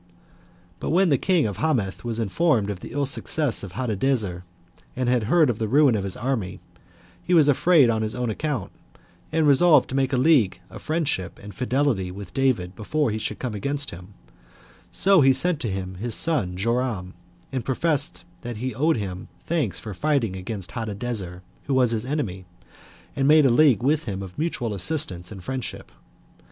4. But when the king of Hamath was informed of the ill success of Hadadezer, and had heard of the ruin of his army, he was afraid on his own account, and resolved to make a league of friendship and fidelity with David before he should come against him; so he sent to him his son Joram, and professed that he owed him thanks for fighting against Hadadezer, who was his enemy, and made a league with him of mutual assistance and friendship.